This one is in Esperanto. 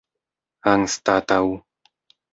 anstataŭ